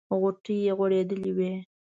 غوټۍ یې غوړېدلې وې.